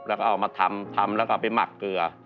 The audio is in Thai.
แล้วก็เอามาทำทำแล้วก็ไปหมักเกลือ